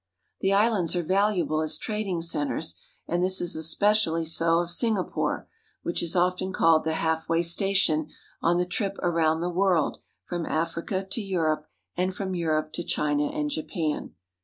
The islands are valuable as trading centers, and this is especially so of Singapore, which is often called the half way station on the trip around the world from Africa to Europe, and from Europe to China and Japan.